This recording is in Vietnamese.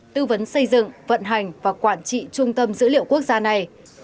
tư vấn xây dựng vận hành và quản trị trung tâm dữ liệu quốc gia này